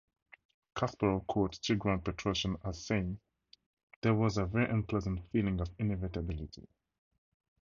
Kasparov quotes Tigran Petrosian as saying, There was a very unpleasant feeling of inevitability.